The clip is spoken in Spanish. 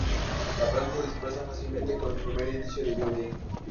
La planta se dispersa fácilmente con el primer indicio de lluvia.